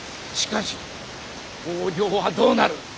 しかし北条はどうなる。